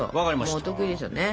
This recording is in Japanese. もうお得意ですよね。